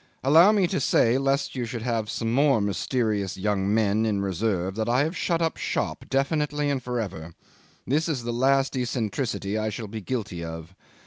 Allow me to say, lest you should have some more mysterious young men in reserve, that I have shut up shop, definitely and for ever. This is the last eccentricity I shall be guilty of.